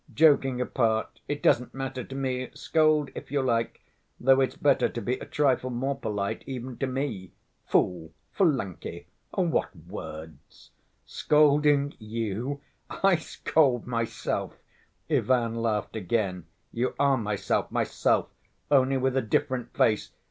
Joking apart, it doesn't matter to me, scold if you like, though it's better to be a trifle more polite even to me. 'Fool, flunkey!' what words!" "Scolding you, I scold myself," Ivan laughed again, "you are myself, myself, only with a different face.